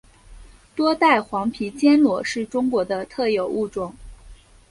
多带黄皮坚螺是中国的特有物种。